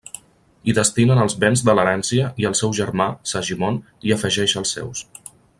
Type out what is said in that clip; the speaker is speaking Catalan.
Hi destinen els béns de l'herència i el seu germà, Segimon, hi afegeix els seus.